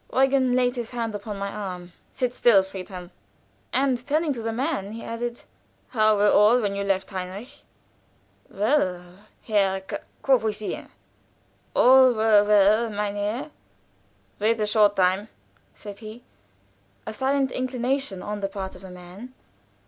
Eugen laid his hand upon my arm. "Sit still, Friedhelm." And turning to the man, he added: "How were all when you left, Heinrich?" "Well, Herr Gr " "Courvoisier." "All were well, mein Herr." "Wait a short time," said he. A silent inclination on the part of the man.